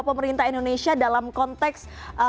pemerintah indonesia dalam konteks